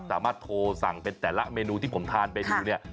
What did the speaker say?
สามารถโทรสั่งเป็นแต่ละเมนูที่ผมทานไปดูเนี่ย